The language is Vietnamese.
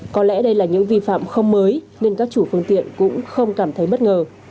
có lẽ đây là những vi phạm không mới nên các chủ phương tiện cũng không cảm thấy bất ngờ